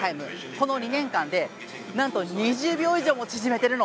この２年間でなんと２０秒以上も縮めてるの！